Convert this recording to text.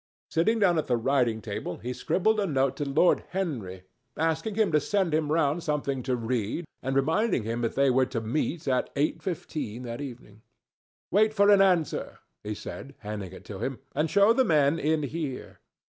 Sitting down at the writing table he scribbled a note to Lord Henry, asking him to send him round something to read and reminding him that they were to meet at eight fifteen that evening. "Wait for an answer," he said, handing it to him, "and show the men in here."